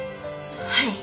はい。